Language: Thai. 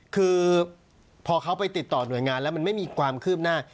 คือพอเขาไปติดต่อหน่วยงานแล้วมันไม่มีความคืบหน้า